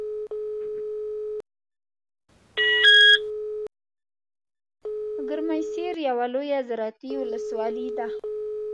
ګرمسیر یوه لویه زراعتي ولسوالۍ ده .